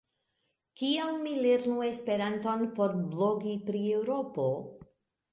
Kial mi lernu Esperanton por blogi pri Eŭropo?